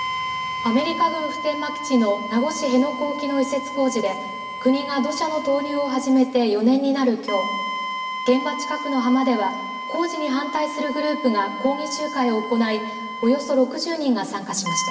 アメリカ軍普天間基地の名護市辺野古沖の移設工事で国が土砂の投入を始めて４年になるきょう現場近くの浜では工事に反対するグループが抗議集会を行い、およそ６０人が参加しました。